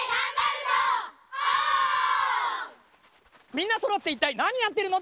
みんなそろっていったいなにやってるの？